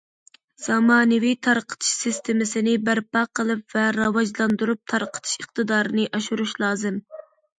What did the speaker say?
زامانىۋى تارقىتىش سىستېمىسىنى بەرپا قىلىپ ۋە راۋاجلاندۇرۇپ، تارقىتىش ئىقتىدارىنى ئاشۇرۇش لازىم.